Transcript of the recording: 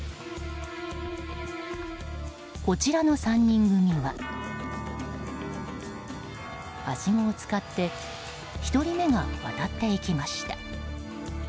こちらの３人組ははしごを使って１人目が渡っていきました。